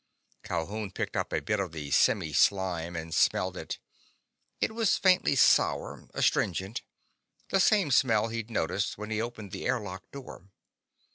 Calhoun picked up a bit of the semi slime and smelled it. It was faintly sour, astringent, the same smell he'd noticed when he opened the airlock door.